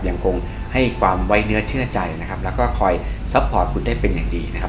ยังคงให้ความไว้เนื้อเชื่อใจนะครับแล้วก็คอยซัพพอร์ตคุณได้เป็นอย่างดีนะครับ